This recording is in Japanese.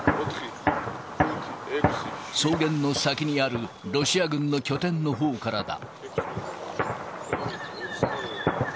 草原の先にあるロシア軍の拠点のほうからだ。